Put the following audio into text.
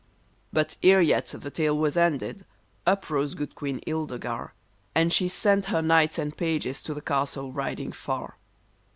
But ere yet the tale was ended, up rose good Queen Ildegar, And she sent her knights and pages to the castle riding far.